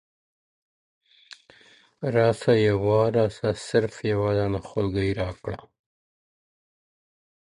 o راسه يوار راسه صرف يوه دانه خولگۍ راكړه.